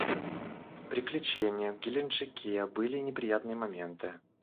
В приключениях в Геленджике были и неприятные моменты.